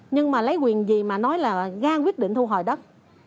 nhưng mà lấy quyền gì mà nói là ra quyết định thu hồi đất